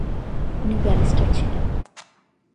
উনিও ব্যারিস্টার ছিলেন।